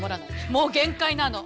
もう限界なの！